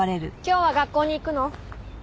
今日は学校に行くの？